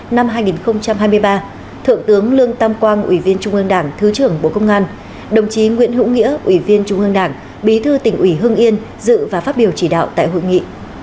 năm hai nghìn hai mươi ba thượng tướng lương tam quang ủy viên trung ương đảng thứ trưởng bộ công an đồng chí nguyễn hữu nghĩa ủy viên trung ương đảng bí thư tỉnh ủy hưng yên dự và phát biểu chỉ đạo tại hội nghị